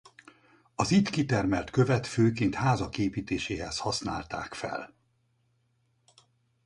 Az itt kitermelt követ főként házak építéséhez használták fel.